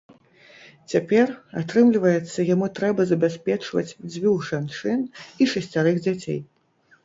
Цяпер, атрымліваецца, яму трэба забяспечваць дзвюх жанчын і шасцярых дзяцей.